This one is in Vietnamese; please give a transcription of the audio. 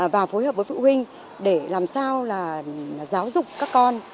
và phối hợp với phụ huynh để làm sao là giáo dục các con